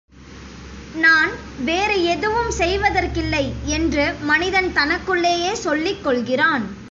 நான் வேறு எதுவும் செய்வதற்கில்லை என்று மனிதன் தனக்குள்ளேயே சொல்லிக் கொள்கிறான்.